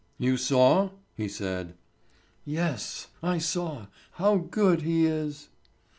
"You saw?" he said. "Yes, I saw. How good he is!"